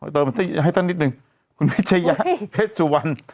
เติมให้ตั้งนิดหนึ่งคุณวิทยะเพชรสุวรรณ